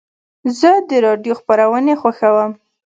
زه د راډیو خپرونې خوښوم.